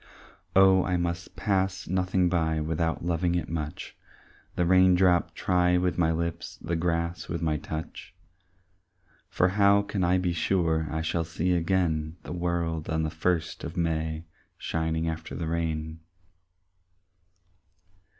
Oh I must pass nothing by Without loving it much, The raindrop try with my lips, The grass with my touch; For how can I be sure I shall see again The world on the first of May Shining after the rain?